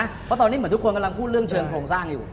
เพราะตอนนี้เหมือนทุกคนกำลังพูดเรื่องเชิงโครงสร้างอยู่